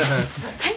はい。